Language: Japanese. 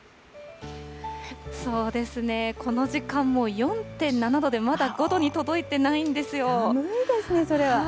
そうですね、この時間も４．７度で、まだ５度に届いてないん寒いですね、それは。